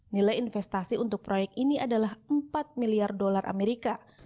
nilai investasi untuk proyek ini adalah empat miliar dolar amerika